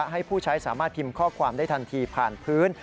ให้ผู้ใช้สามารถพิมพ์ข้อความได้ทันทีผ่านพื้น